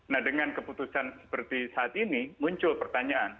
nah dengan keputusan seperti saat ini muncul pertanyaan